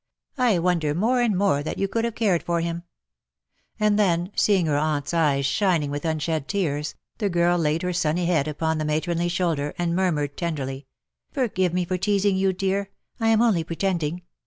I wonder more and more tbat you could bave cared for bim/^ And tben^ seeing ber aunt^s eyes sbining witb unsbed tears, tbe girl laid ber sunny bead upon tbe matronly sboulder, and murmured tenderly, ^' For give me for teasing you, dear, I am only pretend ing.